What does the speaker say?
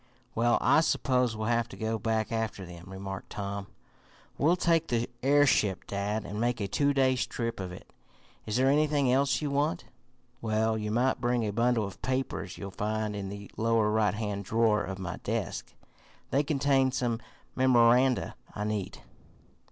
"Well, I suppose we'll have to go back after them," remarked Tom. "We'll take the airship, dad, and make a two days' trip of it. Is there anything else you want?" "Well, you might bring a bundle of papers you'll find in the lower right hand drawer of my desk. They contain some memoranda I need."